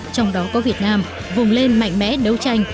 trong đó có việt nam vùng lên mạnh mẽ đấu tranh